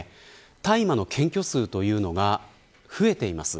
大麻の検挙数というのが増えています。